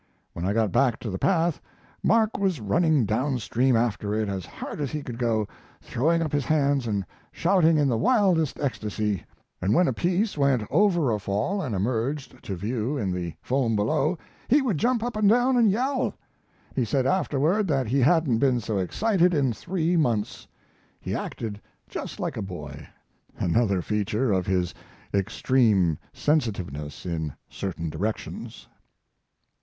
When I got back to the path Mark was running down stream after it as hard as he could go, throwing up his hands and shouting in the wildest ecstasy, and when a piece went over a fall and emerged to view in the foam below he would jump up and down and yell. He said afterward that he hadn't been so excited in three months. He acted just like a boy; another feature of his extreme sensitiveness in certain directions.